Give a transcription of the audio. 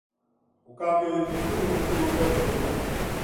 O cambio de título non tivo efectos legais.